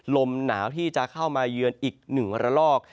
ลมหนาวที่จะเข้ามาเยือนอีก๑ระลอก